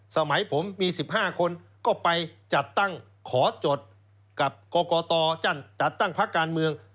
สมัยผมมี๑๕คนก็ไปจัดตั้งขอจดกับกรกตจัดตั้งพักการเมือง